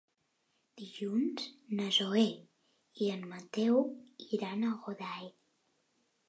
Dilluns na Zoè i en Mateu iran a Godall.